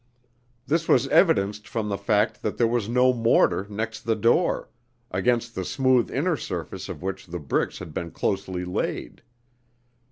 This was evidenced from the fact that there was no mortar next the door, against the smooth inner surface of which the bricks had been closely laid.